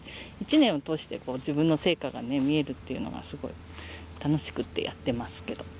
１年を通して自分の成果が見えるっていうのはすごく楽しくってやってますけど。